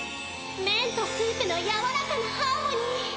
めんとスープのやわらかなハーモニー！